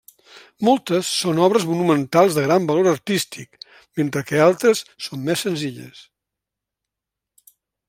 Moltes són obres monumentals de gran valor artístic, mentre que altres són més senzilles.